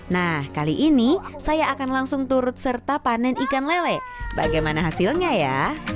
nah kali ini saya akan langsung turut serta panen ikan lele bagaimana hasilnya ya